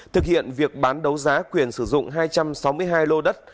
thực hiện việc bán đấu giá quyền sử dụng hai trăm sáu mươi hai lô đất